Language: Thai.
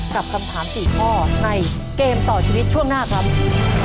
กับคำถาม๔ข้อในเกมต่อชีวิตช่วงหน้าครับ